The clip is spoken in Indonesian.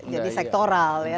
jadi sektoral ya